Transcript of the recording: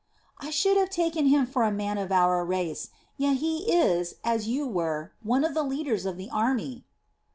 "I should have taken him for a man of our race, yet he is, as you were, one of the leaders in the army."